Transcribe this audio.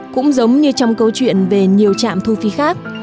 cũng giống như trong câu chuyện về nhiều trạm thu phí khác